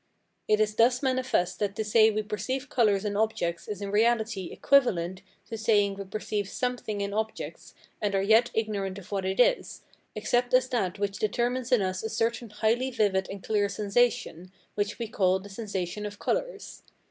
It is thus manifest that to say we perceive colours in objects is in reality equivalent to saying we perceive something in objects and are yet ignorant of what it is, except as that which determines in us a certain highly vivid and clear sensation, which we call the sensation of colours.